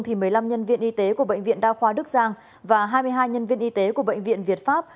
một mươi năm nhân viên y tế của bệnh viện đa khoa đức giang và hai mươi hai nhân viên y tế của bệnh viện việt pháp